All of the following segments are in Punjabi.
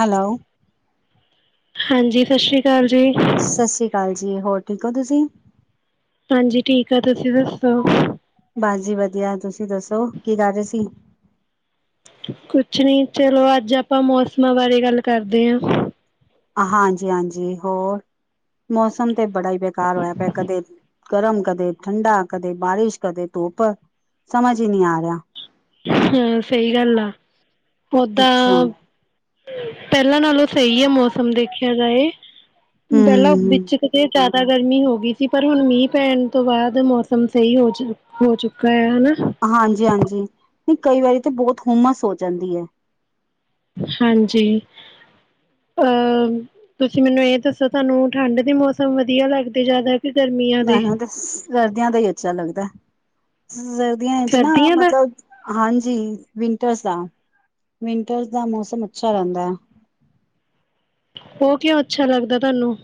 ਹੈਲੋ- ਹਾਂਜੀ, ਸਤਿ ਸ਼੍ਰੀ ਅਕਾਲ ਜੀ- ਸਤਿ ਸ੍ਰੀ ਅਕਾਲ ਜੀ, ਹੋਰ ਠੀਕ ਹੋ ਤੁਸੀ- ਹਾਂਜੀ ਠੀਕ ਆ, ਤੁਸੀ ਦੱਸੋ- ਬਸ ਜੀ ਵਧੀਆ, ਤੁਸੀ ਦੱਸੋ, ਕੀ ਕਰ ਰਹੇ ਸੀ। ਕੁਛ ਨੀ, ਚਲੋ ਅੱਜ ਆਪਾਂ ਮੌਸਮਾਂ ਬਾਰੇ ਗੱਲ ਕਰਦੇ ਹਾਂ। ਹਾਂਜੀ- ਹਾਂਜੀ, ਹੋਰ, ਮੌਸਮ ਤੇ ਬੜਾ ਹੀ ਬੇਕਾਰ ਹੋਇਆ ਪਿਆ ਕਦੇ। ਗਰਮ, ਕਦੇ ਠੰਡਾ, ਕਦੇ ਬਾਰਿਸ਼, ਕਦੇ ਧੋਪ ਸਮਝ ਹੀ ਨਹੀਂ ਆ ਰਿਹਾ। ਹਾਂ, ਸਹੀ ਗੱਲ ਆ। ਅੱਛਾ, ਓਦਾਂ ਪਹਿਲਾਂ ਨਾਲੋਂ ਸਹੀ ਹੈ, ਮੌਸਮ ਦੇਖਿਆ ਜਾਏ, ਪਹਿਲਾਂ ਹੂੰ, ਵਿੱਚ ਤੇ ਜ਼ਿਆਦਾ ਗਰਮੀ ਹੋ ਗਈ ਸੀ, ਪਰ ਹੁਣ ਮੀਂਹ ਪੈਣ ਤੋਂ ਬਾਅਦ ਮੌਸਮ ਸਹੀ ਹੋ ਜਾ ਹੋ ਚੁੱਕਾ ਹੈ, ਹਨਾ। ਹਾਂਜੀ- ਹਾਂਜੀ, ਨਹੀਂ ਕਈ ਵਾਰੀ ਤਾਂ ਬਹੁਤ ਹੁੰਮਸ ਹੋ ਜਾਂਦੀ ਹੈ। ਹਾਂਜੀ ਅਹ ਤੁਸੀਂ ਮੈਨੂੰ ਇਹ ਦੱਸੋ ਤੁਹਾਨੂੰ ਠੰਢ ਦੇ ਮੌਸਮ ਵਧੀਆ ਲੱਗਦੇ ਜ਼ਿਆਦਾ। ਕਿ ਗਰਮੀਆਂ ਦੇ ਮੈਨੂੰ ਤੇ ਸਰਦੀਆਂ ਦਾ ਹੀ ਅੱਛਾ ਲੱਗਦਾ, ਸਰਦੀਆਂ ਚ ਨਾ ਸਰਦੀਆਂ ਦਾ ਮਤਲਬ ਹਾਂਜੀ, ਵਿੰਟਰਸ ਦਾ, ਵਿੰਟਰਸ ਦਾ ਮੌਸਮ ਅੱਛਾ ਰਹਿੰਦਾ ਹੈ। ਉਹ ਕਿਉਂ, ਅੱਛਾ ਲੱਗਦਾ ਤੁਹਾਨੂੰ?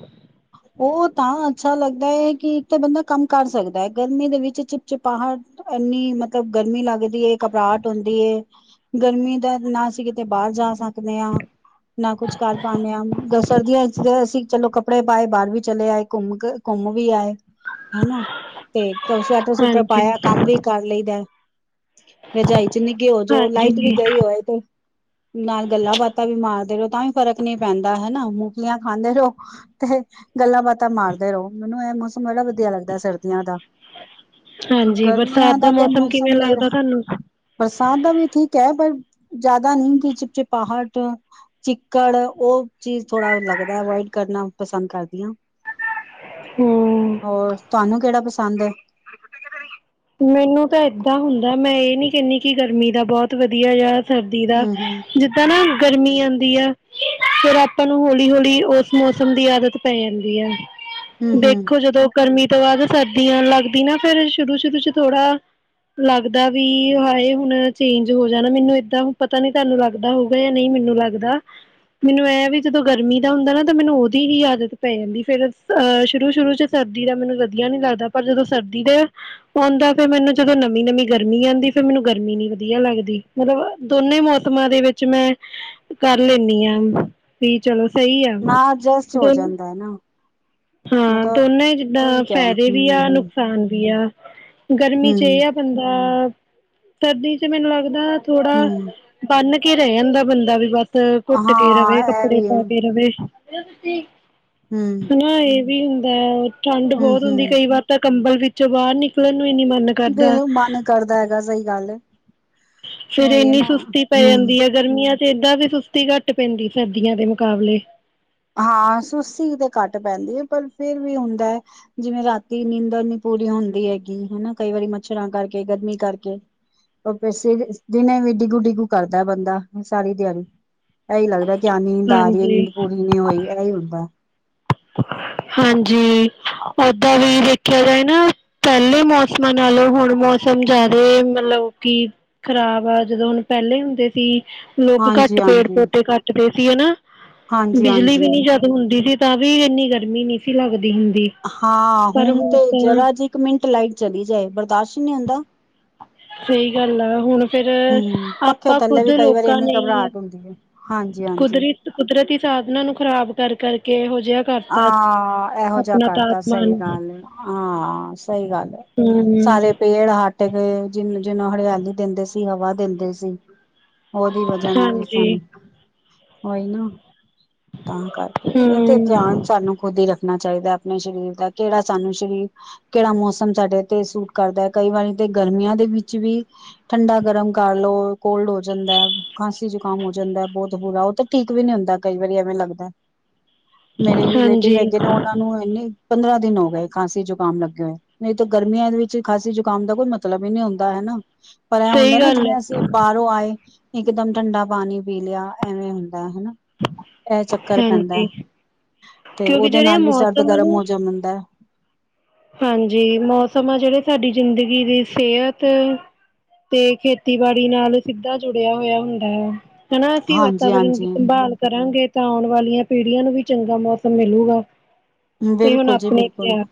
ਉਹ ਤਾਂ ਅੱਛਾ ਲੱਗਦਾ ਹੈ, ਕਿ ਇੱਕ ਤਾਂ ਬੰਦਾ ਕੰਮ ਕਰ ਸਕਦਾ ਹੈ, ਗਰਮੀ ਦੇ ਵਿੱਚ ਚਿਪ ਚਿਪਾਹੜ। ਇੰਨੀ ਮਤਲਬ ਗਰਮੀ ਲੱਗਦੀ, ਘਬਰਾਹਟ ਹੁੰਦੀ। ਗਰਮੀ ਦਾ ਨਾ, ਅਸੀਂ ਕਿਤੇ ਬਾਹਰ ਜਾ ਸਕਦੇ ਹਾਂ। ਨਾ ਕੁਛ ਕਰ ਪਾਉਂਦੇ ਸਰਦੀਆਂ ਚ ਅਸੀਂ ਚਲੋ। ਕੱਪੜੇ ਪਾਏ ਬਾਹਰ ਵੀ ਚਲੇ ਆਏ, ਘੁੰਮ ਕੇ ਘੁੰਮ ਵੀ ਆਏ, ਹੈਨਾ। ਤੇ ਸਵੈਟਰ ਸੂਟਰ ਹਾਂਜੀ ਪਾਇਆ ਕੰਮ ਵੀ ਕਰ ਲਈਦਾ। ਰਜਾਈ ਚ ਨੀੱਗੇ ਹੋ ਜੋ ਲਾਈਟ ਵੀ ਹਾਂਜੀ, ਗਈ ਹੋਏ, ਤੇ ਨਾਲ ਗੱਲਾਂ ਬਾਤਾਂ ਵੀ ਮਾਰਦੇ ਰਹੋ, ਤਾਂ ਵੀ ਫ਼ਰਕ ਨਹੀਂ ਪੈਂਦਾ ਹਨਾ ਮੂੰਗੀਆਂ ਖਾਂਦੇ ਰਹੋ। ਤੇ ਗੱਲਾਂ ਬਾਤਾਂ ਮਾਰਦੇ ਰਹੋ, ਮੈਨੂੰ ਇਹ ਮੌਸਮ ਬਹੜਾ ਵਧੀਆ ਲੱਗਦਾ ਸਰਦੀਆਂ ਦਾ। ਹਾਂਜੀ ਬਰਸਾਤ ਗਰਮੀਆਂ ਦਾ, ਤੇ ਕਿਵੇਂ ਮੌਸਮ ਦੇ ਲੱਗਦਾ ਤੁਹਾਨੂੰ? ਬਰਸਾਤ ਦਾ ਵੀ ਠੀਕ ਹੈ, ਪਰ ਜ਼ਿਆਦਾ ਨਹੀਂ ਕਿ ਚਿਪਚਿਪਾਹਟ। ਚਿੱਕੜ, ਉਹ ਚੀਜ਼ ਥੋੜਾ ਲੱਗਦਾ ਅਵੋਇਡ ਕਰਨਾ। ਪਸੰਦ ਕਰਦੀ ਹਾਂ। ਹੂੰ ਹੋਰ ਤੁਹਾਨੂੰ, ਕਿਹੜਾ ਪਸੰਦ ਹੈ। ਮੈਨੂੰ ਤਾਂ ਏਦਾਂ ਹੁੰਦਾ, ਮੈਂ ਇਹ ਨੀ ਕਹਿੰਦੀ ਕਿ ਗਰਮੀ ਦਾ ਬਹੁਤ ਵਧੀਆ ਆ। ਸਰਦੀ ਦਾ, ਹਮ ਹਮ ਜਿੱਦਾਂ ਨਾ ਗਰਮੀ ਆਉਂਦੀ ਆ। ਫਿਰ ਆਪਾਂ ਨੂੰ ਹੌਲੀ ਹੌਲੀ ਉਸ ਮੌਸਮ ਦੀ ਆਦਤ ਪੈ ਜਾਂਦੀ ਹੈ। ਹਮ ਹਮ ਦੇਖੋ ਜਦੋਂ ਗਰਮੀ ਤੋਂ ਬਾਅਦ ਸਰਦੀ ਆ ਲੱਗਦੀ ਨਾ, ਫਿਰ ਸ਼ੁਰੂ ਸ਼ੁਰੂ ਚ ਥੋੜਾ। ਲੱਗਦਾ ਵੀ ਹਾਏ ਹੁਣ ਚੇਂਜ ਹੋ ਜਾਣਾ, ਮੈਨੂੰ ਏਦਾਂ ਹੁਣ ਪਤਾ ਨੀ ਤੁਹਾਨੂੰ ਲੱਗਦਾ। ਲੱਗਦਾ ਹੋਊਗਾ ਜਾਂ ਨਹੀਂ। ਮੈਨੂੰ ਲੱਗਦਾ। ਮੈਨੂੰ ਇਹ ਹੈ ਵੀ ਜਦੋਂ ਗਰਮੀ ਦਾ ਹੁੰਦਾ ਨਾ, ਤਾਂ ਮੈਨੂੰ ਉਹਦੀ ਹੀ ਆਦਤ ਪੈ ਜਾਂਦਾ, ਫਿਰ ਅਹ ਸ਼ੁਰੂ ਸ਼ੁਰੂ ਚ ਸਰਦੀ ਦਾ, ਮੈਨੂੰ ਵਧੀਆ ਨੀ ਲੱਗਦਾ ਪਰ ਜਦੋਂ ਸਰਦੀ ਦੇ। ਆਉਂਦਾ, ਫਿਰ ਮੈਨੂੰ ਜਦੋਂ ਨਵੀਂ ਨਵੀਂ ਗਰਮੀ ਆਂਦੀ, ਫਿਰ ਮੈਨੂੰ ਗਰਮੀ ਨੀ ਵਧੀਆ ਲੱਗਦੀ ਮਤਲਬ ਦੋਨੇ ਮੌਸਮਾਂ ਦੇ ਵਿੱਚ। ਮੈਂ ਕਰ ਲੈਂਦੀ ਆ ਵੀ, ਚਲੋ ਸਹੀ ਆ ਨਾ ਐਡਜਸਟ ਹੋ ਦੋ। ਹੈ ਜਾਂਦਾ ਨਾ ਹਾਂ ਮਤਲਬ ਦੋਨਾਂ, ਜਿੱਦਾਂ ਠੀਕ ਹੈ ਫਾਇਦੇ ਵੀ ਆ ਹਮ ਹਮ ਨੁਕਸਾਨ ਵੀ ਆ, ਗਰਮੀ ਚ ਹਮ ਇਹ ਆ। ਬੰਦਾ ਸਰਦੀ ਚ ਮੈਨੂੰ ਲੱਗਦਾ ਥੋੜਾ। ਹਮ ਬੰਨ੍ਹ ਕੇ ਰਹਿ ਜਾਂਦਾ ਬੰਦਾ ਵੀ ਬੱਸ ਘੁੱਟ ਕੇ ਰਵੇ ਹਾਂ ਇਹ ਕੱਪੜੇ ਵੀ ਹੈ ਪਾ ਕੇ ਰਵੇ, ਤੁਸੀਂ ਹੂੰ ਹਾਂ ਇਹ ਵੀ ਹੁੰਦਾ ਹੈ, ਠੰਡ ਬਹੁਤ ਹੁੰਦੀ, ਕਈ ਹੂੰ-ਹੂੰ ਵਾਰ ਤਾਂ ਕੰਬਲ ਵਿੱਚੋਂ ਬਾਹਰ ਨਿਕਲਣ ਨੂੰ ਹੀ ਨੀ ਮੰਨ। ਤੇ ਮਨ ਕਰਦਾ ਹੈਗਾ। ਸਹੀ ਗੱਲ। ਫਿਰ ਉਹੀ ਹੈ ਇੰਨੀ ਨਾ ਸੁਸਤੀ ਪੈ ਹੂੰ ਜਾਂਦੀ ਹੈ। ਗਰਮੀਆਂ ਚ ਏਦਾਂ ਦੀ ਸੁਸਤੀ ਘੱਟ ਪੈਂਦੀ ਸਰਦੀਆਂ ਦੇ ਮੁਕਾਬਲੇ। ਹਾਂ, ਸੁਸਸੀ ਤੇ ਘੱਟ ਪੈਂਦੀ ਹੈ ਪਰ ਫਿਰ ਵੀ ਹੁੰਦਾ। ਜਿਵੇਂ ਰਾਤੀ ਨੀਂਦਰ ਨਹੀਂ ਪੂਰੀ ਹੁੰਦੀ ਹੈਗੀ ਹਨਾ, ਕਈ ਵਾਰੀ ਮੱਛਰਾਂ ਕਰਕੇ ਗਰਮੀ ਕਰਕੇ। ਉਹ ਫਿਰ ਦਿਨੇ ਵੀ ਡਿੱਗੂ ਡਿੱਗੂ ਕਰਦਾ, ਬੰਦਾ ਸਾਰੀ ਦਿਹਾੜੀ। ਇਹੀ ਲੱਗਦਾ ਕੀ ਨੀਂਦ ਆ ਰਹੀ ਹੈ। ਹਾਂਜੀ ਨੀਂਦ ਪੂਰੀ ਨੀ ਹੋਈ ਇਹੀ ਹੁੰਦਾ। ਹਾਂਜੀ ਓਦਾਂ ਵੀ ਦੇਖਿਆ ਜਾਏ ਨਾ। ਪੈਲੇ ਮੌਸਮਾਂ ਨਾਲੋਂ ਹੁਣ ਮੌਸਮ ਜਾਦੇ ਮਤਲਬ ਕਿ ਖ਼ਰਾਬ ਆ ਜਦੋਂ ਹੁਣ ਪੈਲੇ ਹੁੰਦੇ ਤੀ ਲੋਕ ਘੱਟ ਪੇੜ ਹਾਂਜੀ-ਹਾਂਜੀ ਪੌਦੇ ਕੱਟਦੇ ਸੀ ਹਨਾ। ਬਿਜਲੀ ਵੀ ਨੀ ਹਾਂਜੀ-ਹਾਂਜੀ ਜਦ ਹੁੰਦੀ ਸੀ ਤਾਂ ਵੀ ਇੰਨੀ ਗਰਮੀ ਨਈ ਸੀ ਲੱਗਦੀ ਹੁੰਦੀ। ਹਾਂ ਪਰ ਹੁਣ ਤੇ ਤਾਂ ਜਰਾ ਜੀ ਇੱਕ ਮਿੰਟ ਲਾਈਟ ਚਲੀ ਜਾਏ ਬਰਦਾਸ਼ਤ ਹੀ ਨਈ ਹੁੰਦਾ। ਸਈ ਗੱਲ ਆ ਹੁਣ ਫਿਰ ਹੂੰ, ਆਪਾਂ ਖੁਦ ਲੋਕਾਂ ਲਈ ਹਾਂਜੀ ਕੁਦਰਤ ਕੁਦਰਤੀ ਸਾਧਨਾਂ ਨੂੰ ਖ਼ਰਾਬ ਕਰਕੇ ਇਹੋ ਜਿਹਾ ਕਰਤਾ ਹਾਂ ਇਹੋ ਜਿਹਾ ਆਪਣਾ ਕਰਤਾਂ ਸਈ ਤਾਪਮਾਨ ਗੱਲ ਹੈ ਹਾਂ ਸਈ ਗੱਲ ਹੈ। ਹੂੰ ਸਾਰੇ ਪੇੜ ਹਟ ਗਏ ਜਿਨੂੰ ਜਿਹਨੂੰ ਹਰਿਆਲੀ ਦਿੰਦੇ ਸੀ ਹਵਾ ਦਿੰਦੇ ਸੀ। ਉਹਦੀ ਵਜ੍ਹਾ ਨਾਲ ਜ ਹਾਂਜੀ ਸਾਨੂੰ ਉਈ ਨਾ ਤਾਂ ਕਰਕੇ ਤੇ ਹਮ ਧਿਆਨ ਸਾਨੂੰ ਖੁਦ ਹੀ ਰੱਖਣਾ ਚਾਹੀਦਾ ਆਪਣੇ ਸਰੀਰ ਦਾ ਕਿਹੜਾ ਸਾਨੂੰ ਸਰੀਰ ਕਿਹੜਾ ਮੌਸਮ ਸਾਡੇ ਤੇ ਸੂਟ ਕਰਦਾ ਹੈ ਕਈ ਵਾਰੀ ਤੇ ਗਰਮੀਆਂ ਦੇ ਵਿੱਚ ਵੀ ਠੰਡਾ ਗਰਮ ਕਰ ਲਓ ਕੋਲਡ ਹੋ ਜਾਂਦਾ। ਖਾਂਸੀ ਜ਼ੁਕਾਮ ਹੋ ਜਾਂਦਾ ਬੋਤ ਬੁਰਾ ਓ ਤਾਂ ਠੀਕ ਵੀ ਨੀ ਹੁੰਦਾ ਕਈ ਵਾਰੀ ਐਵੇਂ ਲੱਗਦਾ। ਮੇਰੇ ਰਿਲੇਟਿਵ ਹਾਂਜੀ ਹੈਗੇ ਨੇ ਉਹਨਾਂ ਨੂੰ ਇਨੀ ਪੰਦਰਾਂ ਦਿਨ ਹੋ ਗਏ ਖਾਂਸੀ ਜ਼ੁਕਾਮ ਲੱਗੇ ਹੋਏ। ਨਈ ਤੇ ਗਰਮੀਆਂ ਦੇ ਵਿੱਚ ਖਾਸੀ ਜ਼ੁਕਾਮ ਦਾ ਕੋਈ ਮਤਲਬ ਹੀ ਨਈ ਹੁੰਦਾ ਹੈਨਾ। ਪਰ ਇਹ ਹੁੰਦਾ ਸਹੀ ਨਾ ਗੱਲ ਜਿਵੇਂ ਹੈ ਅਸੀਂ ਬਾਹਰੋਂ ਆਏ ਇੱਕ ਦਮ ਠੰਡਾ ਪਾਣੀ ਪੀ ਲਿਆ ਐਵੇਂ ਹੁੰਦਾ ਹਨਾ। ਇਹ ਚੱਕਰ ਪੈਂਦਾ ਹਾਂਜੀ ਤੇ ਕਿਉਂਕਿ ਉਹਦੇ ਜਿਹੜੇ ਨਾਲ ਵੀ ਸਰਦ ਮੌਸਮ ਨੇ ਗਰਮ ਹੋ ਵ ਜਾਂਦਾ। ਹਾਂਜੀ ਮੌਸਮ ਆ ਜਿਹੜੇ ਸਾਡੀ ਜ਼ਿੰਦਗੀ ਦੀ ਸਿਹਤ ਤੇ ਖੇਤੀਬਾੜੀ ਨਾਲ ਸਿੱਧਾ ਜੁੜਿਆ ਹੋਇਆ ਹੁੰਦਾ ਹੈ। ਹਨਾ ਅਸੀਂ ਹਾਂਜੀ ਵਾਤਾਵਰਨ ਦੀ ਹਾਂਜੀ ਸੰਭਾਲ ਕਰਾਂਗੇ। ਤਾਂ ਆਉਣ ਵਾਲੀਆਂ ਪੀੜ੍ਹੀਆਂ ਨੂੰ ਵੀ ਚੰਗਾ ਮੌਸਮ ਮਿਲੂਗਾ ਤੇ ਹੁਣ ਆਪਣੇ ਕਿਆ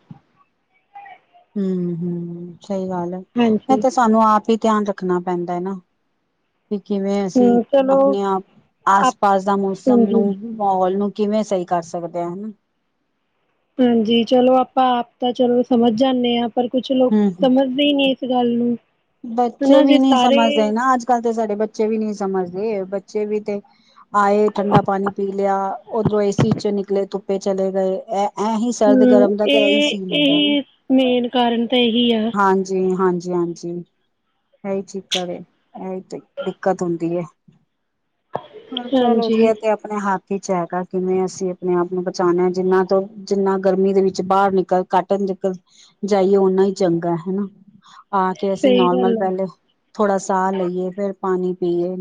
ਹੂੰ ਹੂੰ ਸਈ ਗੱਲ ਐ ਹਾਂਜੀ ਤੇ ਸਾਨੂੰ ਆਪ ਹੀ ਧਿਆਨ ਰੱਖਣਾ ਪੈਂਦਾ ਐ ਨਾ। ਵੀ ਕਿਵੇਂ ਅਸੀਂ ਹਮ ਚਲੋ ਆਪਣੇ ਆਪ ਆਸ ਆਪ ਪਾਸ ਦਾ ਮੌਸਮ ਹਾਂਜੀ ਨੂੰ ਮਾਹੌਲ ਨੂੰ ਕਿਵੇਂ ਸਈ ਕਰ ਸਕਦੇ ਆਂ ਹਾਂਜੀ ਚਲੋ ਆਪਾਂ ਆਪ ਤਾਂ ਚਲੋ ਸਮਝ ਜਾਂਣੇ ਆਂ ਪਰ ਕੁਛ ਲੋਕ ਹਮ ਸਮਝ ਨਈ-ਨਈ ਇਸ ਗੱਲ ਨੂੰ ਬੱਚੇ ਹਨਾ ਵੀ ਜੇ ਨਈ ਸਮਝਦੇ ਸਾਰੇ ਨਾ ਅੱਜ ਕੱਲ੍ਹ ਤਾਂ ਸਾਡੇ ਬੱਚੇ ਵੀ ਨਈ ਸਮਝਦੇ ਬੱਚੇ ਵੀ ਤੇ ਆਏ ਠੰਡਾ ਪਾਣੀ ਪੀ ਲਿਆ ਓਧਰੋਂ ਏਸੀ ਚੋਂ ਨਿਕਲੇ ਧੁੱਪੇ ਚਲੇ ਗਏ ਐ ਐਹੀ ਸਰਦ ਹੂੰ, ਗਰਮ ਦਾ ਤੇ ਇਹੀ ਇਹ ਸੀਨ ਹੁੰਦਾ। ਇਹੀ ਮੇਨ ਕਾਰਨ ਤਾਂ ਇਹੀ ਆ। ਹਾਂਜੀ-ਹਾਂਜੀ-ਹਾਂਜੀ ਇਹੀ ਚੱਕਰ ਐ ਇਹੀ ਤੇ ਦਿੱਕਤ ਹੁੰਦੀ ਏ। ਚਲੋ ਜੀ ਤੇ ਹਾਂਜੀ, ਆਪ ਆਪਣੇ ਹੱਥ ਵਿਚ 'ਚ ਹੈਗਾ ਕਿਵੇਂ ਅਸੀਂ ਆਪਣੇ ਆਪ ਨੂੰ ਬਚਾਣਾ ਜਿੰਨਾ ਤੋਂ ਜਿੰਨਾ ਗਰਮੀ ਦੇ ਵਿੱਚ ਬਾਹਰ ਨਿਕਲ ਘੱਟ ਨਿਕਲ ਜਾਈਏ ਓਨਾ ਹੀ ਚੰਗਾ ਹਨਾ ਆ ਕੇ ਅਸੀਂ ਸਹੀ ਨੋਰਮਲ ਗੱਲ ਐ। ਪੈਲੇ ਥੋੜਾ ਸਾਹ ਲਈਏ ਫੇਰ ਪਾਣੀ ਪੀਏ।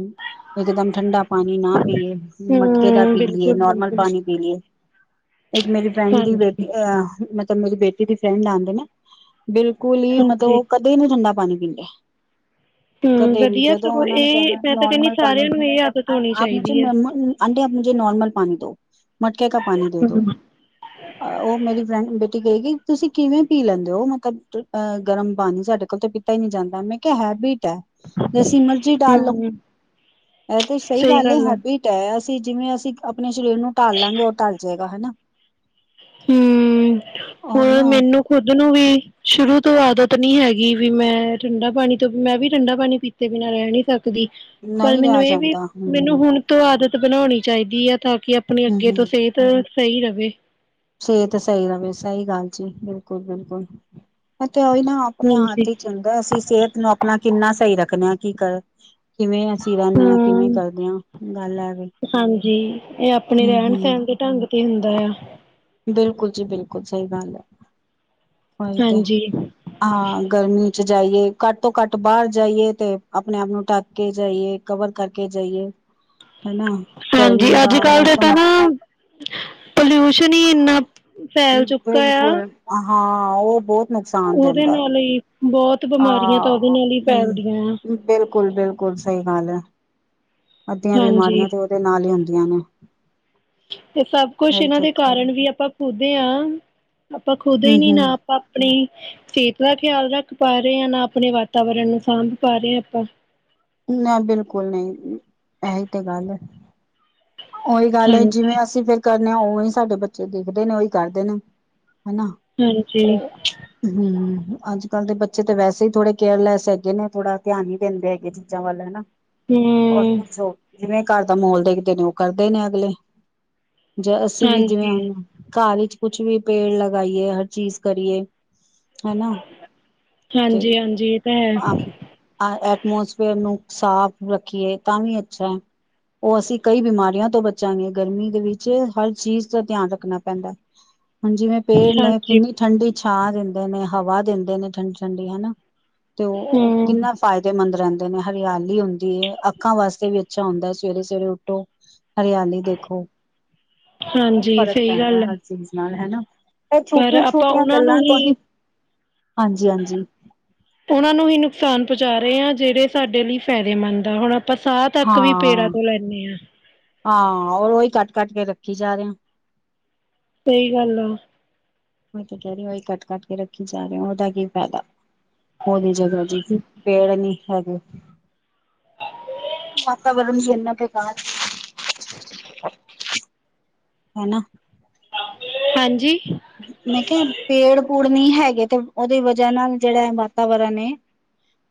ਇਕਦਮ ਠੰਡਾ ਪਾਣੀ ਨਾ ਪੀਏ ਮਟਕੇ ਦਾ ਹੂੰ, ਪੀ ਲਈਏ ਨੋਰਮਲ ਬਿਲਕੁਲ-ਬਿਲਕੁਲ, ਪਾਣੀ ਪੀ ਲਈਏ। ਇੱਕ ਮੇਰੀ ਫਰੈਂਡ ਦੀ ਬੇਟੀ ਹਾਂਜੀ-ਹਾਂਜੀ। ਅ ਮਤਲਬ ਮੇਰੀ ਬੇਟੀ ਦੀ ਫਰੈਂਡ ਆਂਦੇ ਨਾ ਬਿਲਕੁਲ ਹੀ ਮਤਲਬ ਉਹ ਕਦੇ ਠੰਡਾ ਪਾਣੀ ਨਹੀਂ ਪੀਂਦੇ। ਹੂੰ, ਕਦੇ ਵੀ ਵਧੀਆ ਜਦੋਂ ਸਗੋਂ ਉਹਨਾਂ ਨੇ ਇਹ ਕੈਣਾ ਮੈਂ ਤਾਂ ਕਹਿੰਨੀ ਨੋਰਮਲ ਪਾਣੀ ਸਾਰਿਆਂ ਨੂੰ ਇਹ ਆਦਤ ਹੋਣੀ ਆਪ ਮੁਝੇ ਚਾਹੀਦੀ ਐ। ਨੋਰਮਲ ਪਾਣੀ ਆਂਟੀ ਆਪ ਮੁਝੇ ਨੋਰਮਲ ਪਾਣੀ ਦੋ ਮਟਕੇ ਕਾ ਪਾਣੀ ਦੇ ਦੋ। ਹੂੰ, ਉਹ ਮੇਰੀ ਫਰੈਂਡ ਬੇਟੀ ਕਹੇਗੀ ਤੁਸੀਂ ਕਿਵੇਂ ਪੀ ਲੈਂਦੇ ਹੋ। ਅਹ ਗਰਮ ਪਾਣੀ ਸਾਡੇ ਕੋਲ ਤਾਂ ਪੀਤਾ ਹੀ ਨਹੀਂ ਜਾਂਦਾ, ਮੈਂ ਕਿਹਾ ਹੈਬਿਟ ਹੈ ਜੈਸੀ ਮਰਜੀ ਡਾਲ ਲਓ, ਇਹ ਤੇ ਸਹੀ ਗੱਲ ਹੈ, ਹੈਬਿਟ ਢਾਇਆ ਸੀਂ, ਜਿਵੇਂ ਅਸੀਂ ਆਪਣੇ ਸਰੀਰ ਨੂੰ ਢਾਲ ਲਾਂਗੇ, ਉਹ ਢਲ ਜਾਏਗਾ ਹਨਾ। ਹਮ, ਉਹੀ ਹੋਰ ਨਾ ਮੈਨੂੰ ਖੁੱਦ ਨੂੰ ਵੀ ਸ਼ੁਰੂ ਤੋਂ ਆਦਤ ਨੀ ਹੈਗੀ ਵੀ, ਮੈਂ ਠੰਡਾ ਪਾਣੀ ਤੋਂ ਮੈਂ ਵੀ ਠੰਡਾ ਪਾਣੀ ਪੀਤੇ ਬਿਨਾਂ ਰਹਿ ਨੀ ਸਕਦਾ ਦੀ, ਪਰ ਨਹੀਂ ਰਿਹਾ ਮੈਨੂੰ ਇਹ ਵੀ, ਜਾਂਦਾ ਹਮ ਮੈਨੂੰ ਹਮ ਹੁਣ ਤੋਂ ਆਦਤ ਬਣਾਉਣੀ ਚਾਹੀਦੀ ਹੈ ਤਾਂ ਕਿ ਆਪਣੀ ਅੱਗੇ ਤੋਂ ਹਮ ਸਿਹਤ ਸਹੀ ਰਵੇ। ਸਿਹਤ ਸਹੀ ਰਹੇ, ਸਹੀ ਗੱਲ ਜੀ, ਬਿਲਕੁਲ, ਬਿਲਕੁਲ ਤੇ ਉਹੀ ਨਾ ਆਪਣੇ ਹਾਂਜੀ ਹੱਥ 'ਚ ਹੁੰਦਾ, ਅਸੀਂ ਸਿਹਤ ਨੂੰ ਆਪਣਾ ਕਿੰਨਾ ਸਹੀ ਰੱਖਣੇ ਹਾਂ ਕੀ ਕਰ ਕਿਵੇਂ ਅਸੀਂ ਰਹਿੰਦੇ ਹਾਂ, ਕਿਵੇਂ ਹੂੰ ਕਰਦੇ ਹਾਂ, ਗੱਲ ਐਵੇ। ਹਾਂਜੀ, ਇਹ ਆਪਣੇ ਰਹਿਣ- ਸਹਿਣ ਦੇ ਢੰਗ ਤੇ ਹੁੰਦਾ ਆ। ਬਿਲਕੁਲ ਜੀ ਬਿਲਕੁਲ, ਸਹੀ ਗੱਲ ਹੈ, ਉਹੀ ਤੇ ਹਾਂਜੀ ਹਾਂ, ਗਰਮੀ 'ਚ ਜਾਈਏ, ਘੱਟ ਤੋਂ ਘੱਟ ਬਾਹਰ ਜਾਈਏ ਤੇ ਆਪਣੇ ਆਪ ਨੂੰ ਢਕ ਕੇ ਜਾਈਏ, ਕਵਰ ਕਰਕੇ ਜਾਈਏ, ਹਨਾ। ਹਾਂਜੀ, ਗਰਮੀ ਦਾ ਅੱਜ- ਕੱਲ ਦੇ ਤਾਂ ਮੌਸਮ ਨਾ ਪੋਲਿਊਸ਼ਨ ਹੀ ਇੰਨਾ, ਫੈਲ ਚੁੱਕਾ ਆ। ਬਿਲਕੁਲ ਹਾਂ, ਉਹ ਬਹੁਤ ਨੁਕਸਾਨ ਉਹਦੇ ਦਿੰਦਾ ਨਾਲ ਹੀ, ਬਹੁਤ ਬਿਮਾਰੀਆਂ ਤਾਂ ਹਾਂ ਉਹਦੇ ਨਾਲ ਹੀ ਫੈਲਦੀਆਂ ਆ। ਹੂੰ। ਬਿਲਕੁਲ, ਬਿਲਕੁਲ, ਸਹੀ ਗੱਲ ਹੈ, ਅੱਧੀਆਂ ਹਾਂਜੀ ਬਿਮਾਰੀਆਂ ਤੇ ਉਹਦੇ ਨਾਲ ਹੀ ਹੁੰਦੀਆਂ ਨੇ। ਤੇ ਸਭ ਕੁਛ ਇਹੀ ਇਹਨਾਂ ਦੇ ਚੱਕਰ ਕਾਰਨ ਵੀ ਆਪਾਂ ਖੁਦ ਹਾਂ, ਆਪਾਂ ਖੁਦ ਹੀ ਨੀ ਨਾ ਹੂੰ-ਹੂੰ ਆਪਾਂ ਆਪਣੀ, ਸਿਹਤ ਦਾ ਖਿਆਲ ਰੱਖ ਪਾ ਰਹੇ ਹਾਂ ਨਾ, ਆਪਣੇ ਵਾਤਾਵਰਨ ਨੂੰ ਸਾਂਭ ਪਾ ਰਹੇ ਹਾਂ ਆਪਾਂ ਨਾ ਬਿਲਕੁਲ ਨਹੀਂ, ਇਹੀ ਤੇ ਗੱਲ ਉਹੀ ਗੱਲ ਹੈ, ਜਿਵੇਂ ਹਾਂਜੀ ਅਸੀਂ ਫੇਰ ਕਰਨੇ ਆ, ਉਵੇਂ ਹੀ ਸਾਡੇ ਬੱਚੇ ਦੇਖਦੇ ਨੇ, ਉਹੀ ਕਰਦੇ ਨੇ, ਹਨਾ। ਹਾਂਜੀ [unintelligible] ਹਮ, ਅੱਜ -ਕੱਲ ਦੇ ਬੱਚੇ ਤਾਂ ਵੈਸੇ ਹੀ ਥੋੜੇ ਕੇਅਰਲੈਸ ਹੈਗੇ ਨੇ ਥੋੜਾ ਧਿਆਨ ਹੀ ਦਿੰਦੇ ਹੈਗੇ ਜੀ। ਚੀਜ਼ਾਂ ਵੱਲ, ਹਨਾ। ਹੋਰ ਹਮ ਕੁਛ ਹੋ, ਜਿਵੇਂ ਘਰ ਦਾ ਮੋਲ ਦੇਖਦੇ ਨੇ, ਉਹ ਕਰਦੇ ਨੇ ਅਗਲੇ। ਜਾਂ ਅਸੀਂ ਵੀ ਜਿਵੇਂ ਹਾਂਜੀ। ਹੁ, ਘਰ ਵਿੱਚ ਕੁਛ ਵੀ ਪੇੜ ਲਗਾਈਏ, ਹਰ ਚੀਜ਼ ਕਰੀਏ। ਹੈ ਨਾ, ਤੇ, ਹਾਂਜੀ ਹਾਂਜੀ ਇਹ ਤਾਂ ਆ ਹੈ ਐਟਮੋਸਫੇਅਰ ਨੂੰ ਸਾਫ਼ ਰੱਖੀਏ, ਤਾਂ ਵੀ ਅੱਛਾ। ਉਹ ਅਸੀਂ ਕਈ ਬਿਮਾਰੀ ਬਿਮਾਰੀਆਂ ਤੋਂ ਬਚਾਂਗੇ, ਗਰਮੀ ਦੇ ਵਿੱਚ ਹਰ ਚੀਜ਼ ਦਾ ਧਿਆਨ ਰੱਖਣਾ ਪੈਂਦਾ। ਹੁਣ ਜਿਵੇਂ ਪੇੜ ਨੇ, ਹਾਂਜੀ ਕਿੰਨੀ ਠੰਡੀ ਛਾਂ ਦਿੰਦੇ ਨੇ, ਹਵਾ ਦਿੰਦੇ ਨੇ, ਠੰਡੀ, ਠੰਡੀ ਹਨਾ। ਤੇ ਉਹ, ਹਮ ਕਿੰਨਾ ਫ਼ਾਇਦੇਮੰਦ ਰਹਿੰਦੇ ਨੇ, ਹਰਿਆਲੀ ਹੁੰਦੀ ਹੈ। ਅੱਖਾਂ ਵਾਸਤੇ ਵੀ ਅੱਛਾ ਹੁੰਦਾ, ਸਵੇਰੇ- ਸਵੇਰੇ ਉੱਠੋ। ਹਰਿਆਲੀ ਦੇਖੋ, ਬਹੁਤ ਹਾਂਜੀ ਫ਼ਰਕ ਸਹੀ ਪੈਂਦਾ ਗੱਲ ਹੈ। ਹਰ ਚੀਜ਼ ਨਾਲ ਹਨਾ। ਇਹ ਪਰ ਛੋਟੀਆਂ, ਆਪਾਂ ਛੋਟੀਆਂ ਉਹਨਾਂ ਨੂੰ ਗੱਲਾਂ ਤੋਂ ਹੀ ਹਾਂਜੀ, ਹਾਂਜੀ। ਉਹਨਾਂ ਨੂੰ ਹੀ ਨੁਕਸਾਨ ਪਹੁੰਚਾ ਰਹੇ ਹਾਂ, ਜਿਹੜੇ ਸਾਡੇ ਲਈ ਫਾਇਦੇਮੰਦ ਆ, ਹੁਣ ਆਪਾਂ ਸਾਥ ਹਾਂ, ਹਾਂ ਔਰ ਉਹੀ ਕੱਟ, ਕੱਟ ਕੇ ਰੱਖੀ ਜਾ ਰਹੇ ਆ। ਸਹੀ ਗੱਲ ਆ। ਓਹੀ ਕੱਟ ਕੱਟ ਕੇ ਰੱਖੀ ਜਾ ਰਹੇ, ਉਹਦਾ ਕੀ ਫਾਇਦਾ। ਹੋਦੀ ਜਗ੍ਹਾ ਜੀ, ਪੇੜ ਨੀ ਹੈਗੇ। ਵਾਤਾਵਰਨ ਜੀਨਾ ਕੇ ਹਨਨਾ [unintelligible] ਹਾਂਜੀ। ਮੈਂ ਖਿਹਾ ਪੇੜ-ਪੂੜ ਨਹੀਂ ਹੈਗੇ ਤੇ ਉਹਦੀ ਵਜ੍ਹਾ ਨਾਲ ਜਿਹੜਾ ਏ ਵਾਤਾਵਰਨ ਏ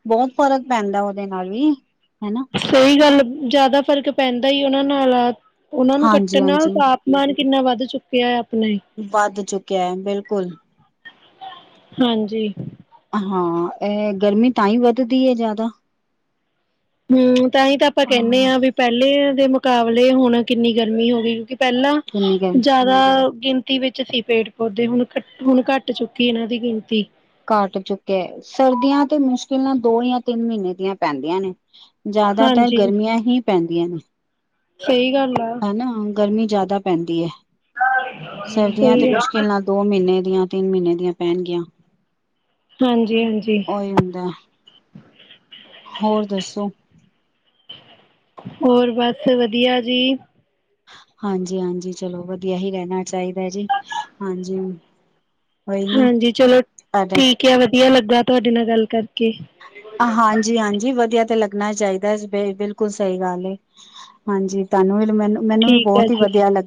ਬਹੁਤ ਫ਼ਰਕ ਪੈਂਦਾ ਉਹਦੇ ਨਾਲ ਵੀ ਹਨਾ। ਸਹੀ ਗੱਲ, ਜ਼ਿਆਦਾ ਫ਼ਰਕ ਪੈਂਦਾ ਉਹਨਾਂ ਨਾਲ ਆ। ਉਹਨਾਂ ਨੂੰ ਹਾਂਜੀ ਕੱਟਣ ਨਾਲ ਹਾਂਜੀ ਤਾਪਮਾਨ ਕਿੰਨਾ ਵੱਧ ਚੁੱਕਿਆ ਏ ਆਪਣੇ। ਵੱਧ ਚੁੱਕਿਆ ਏ, ਬਿਲਕੁਲ। ਹਾਂਜੀ। ਹਾਂ, ਇਹ ਗਰਮੀ ਤਾਂ ਈ ਵੱਧਦੀ ਏ ਜ਼ਿਆਦਾ। ਹੂੰ, ਤਾਂਈ ਤਾਂ ਆਪਾਂ ਕੈਣੇ ਹਾਂ ਆਂ ਬਈ ਪੈਲੀਆ ਦੇ ਮੁਕਾਬਲੇ ਹੁਣ ਕਿੰਨੀ ਗਰਮੀ ਹੋ ਗਈ। ਪੈਲਾਂ ਕਿੰਨੀ ਗਰਮੀ ਜਾ ਦਾ ਗਿਣਤੀ ਵਿੱਚ ਸੀ ਪੇੜ-ਪੌਦੇ ਹੁਣ ਘੱਟ, ਹੁਣ ਘੱਟ ਚੁੱਕੀ ਏ ਇਨਾਂ ਦੀ ਗਿਣਤੀ। ਘਾਟ ਚੁੱਕੇਐ ਸਰਦੀਆਂ ਤੇ ਮੁਸ਼ਕਿਲਾਂ ਨਾਲ ਦੋ ਯਾ ਤਿੰਨ ਮੀਨੇ ਦੀਆਂ ਪੈਂਦੀਆਂ ਨੇ। ਜਾਦਾਤਰ ਹਾਂਜੀ ਗਰਮੀਆਂ ਹੀ ਪੈਂਦੀਆਂ ਨੇ। ਸਹੀ ਗੱਲ ਆ। ਨਾ ਗਰਮੀ ਜਿਆਦਾ ਪੈਂਦੀ ਏ, ਸਰਦੀਆਂ ਤੇ ਸਹੀ ਆ। ਮੁਸ਼ਕਿਲ ਨਾਲ ਦੋ ਮੀਨੇ ਦੀਆਂ, ਤਿੰਨ ਮੀਨੇ ਦੀਆਂ ਪੈਣਗੀਆਂ। ਹਾਂਜੀ ਹਾਂਜੀ ਔਈ ਹੁੰਦੈ, ਹੋਰ ਦੱਸੋ? ਹੋਰ, ਬਸ ਵਧੀਆ ਜੀ। ਹਾਂਜੀ-ਹਾਂਜੀ, ਚਲੋ ਵਧੀਆ ਹੀ ਰੈਣਾ ਚਾਹੀਦੈ ਜੀ, ਹਾਂਜੀ। ਉਹੀ ਨਾ ਹਾਂਜੀ, ਚਲੋ ਸਾਡੇ ਠੀਕ ਐ, ਵਧੀਆ ਲੱਗਾ ਤੁਐਡੇ ਨਾਲ ਗੱਲ ਕਰਕੇ। ਅ ਹਾਂਜੀ-ਹਾਂਜੀ, ਵਧੀਆ ਤੇ ਲੱਗਣਾ ਚਾਈਦੈ ਬੇ ਬਿਲਕੁਲ ਸਹੀ ਗੱਲ ਏ। ਹਾਂਜੀ ਤਾਨੂੰ ਵੀ, ਤੇ ਮੈਨੂੰ, ਮੈਨੂੰ ਵੀ ਠੀਕ ਹੈ ਬੌਤ ਈ ਜੀ ਵਧੀਆ ਲੱਗ